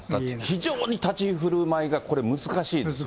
非常に立ち居振る舞いがこれ、難しいですよね。